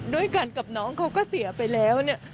ด้วยกันกับน้องเขาก็เสียไปแล้วเนี่ย